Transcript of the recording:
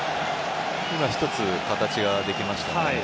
今、１つ形ができましたね。